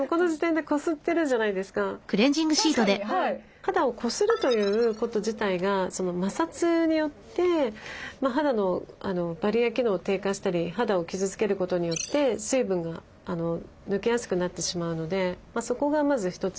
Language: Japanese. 肌をこするということ自体が摩擦によって肌のバリア機能を低下したり肌を傷つけることによって水分が抜けやすくなってしまうのでそこがまず一つ